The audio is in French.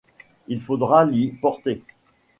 Il faudra l’y porter !